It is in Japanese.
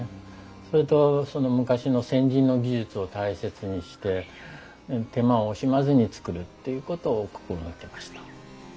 それとその昔の先人の技術を大切にして手間を惜しまずに作るっていうことを心掛けました。